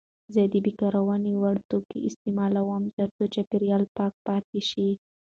زه د بیاکارونې وړ توکي استعمالوم ترڅو چاپیریال پاک پاتې شي.